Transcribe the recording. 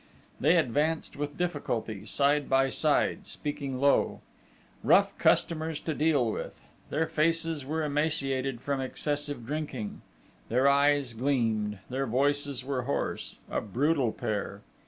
They advanced with difficulty, side by side, speaking low. Rough customers to deal with. Their faces were emaciated from excessive drinking: their eyes gleamed, their voices were hoarse: a brutal pair!